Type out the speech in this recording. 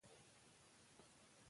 مور د کورنۍ د فشار کمولو لارې لټوي.